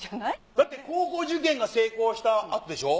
だって高校受験が成功したあとでしょ？